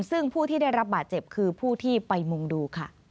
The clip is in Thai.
ซึ่งผู้ที่ได้รับบาดเจ็บคือผู้ที่ไปมุ่งดูค่ะ